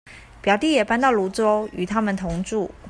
表弟也搬到蘆洲與他們同住